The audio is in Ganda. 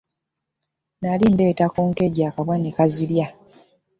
Nali ndeeta ku nkejje akabwa nekazirya.